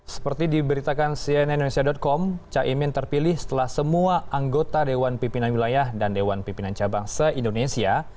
seperti diberitakan cnn indonesia com caimin terpilih setelah semua anggota dewan pimpinan wilayah dan dewan pimpinan cabang se indonesia